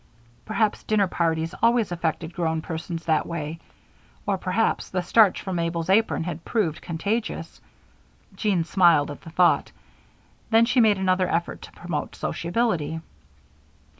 Perhaps dinner parties always affected grown persons that way, or perhaps the starch from Mabel's apron had proved contagious; Jean smiled at the thought. Then she made another effort to promote sociability.